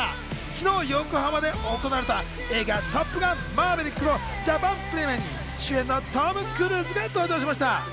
昨日、横浜で行われた映画『トップガンマーヴェリック』のジャパンプレミアに主演のトム・クルーズが登場しました。